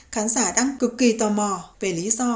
khán giả đang cực kỳ tò mò về lý do vợ bitterdam đệ đơn ly hồn